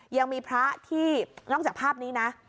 ยังมีพระที่นอกจากภาพนี้นะ